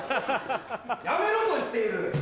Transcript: やめろと言っている！